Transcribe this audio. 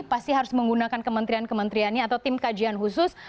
pasti harus menggunakan kementrian kementriannya atau tim kajian khusus